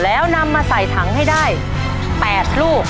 แล้วนำมาใส่ถังให้ได้๘ลูก